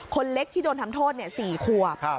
คนเล็กที่โดนทำโทษ๔ขวบ